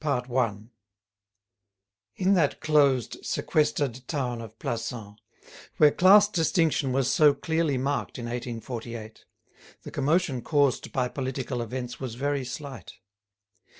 CHAPTER III In that closed, sequestered town of Plassans, where class distinction was so clearly marked in 1848, the commotion caused by political events was very slight.